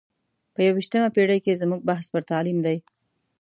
په یو ویشتمه پېړۍ کې زموږ بحث پر تعلیم دی.